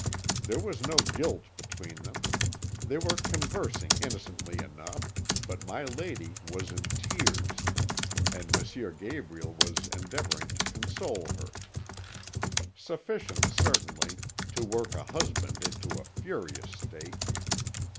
There was no guilt between them; they were conversing innocently enough, but my lady was in tears, and M. Gabriel was endeavouring to console her. Sufficient, certainly, to work a husband into a furious state.